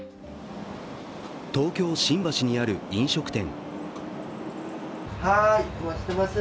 東京・新橋にある飲食店。